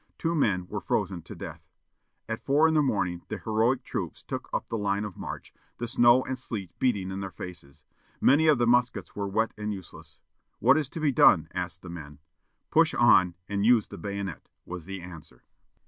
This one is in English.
Two men were frozen to death. At four in the morning, the heroic troops took up the line of march, the snow and sleet beating in their faces. Many of the muskets were wet and useless. "What is to be done?" asked the men. "Push on, and use the bayonet," was the answer.